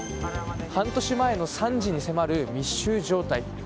半年前の惨事に迫る密集状態。